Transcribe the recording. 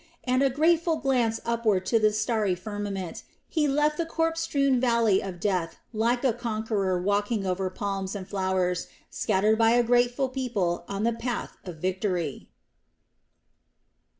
and a grateful glance upward to the starry firmament he left the corpse strewn valley of death like a conqueror walking over palms and flowers scattered by a grateful people on the path of victory.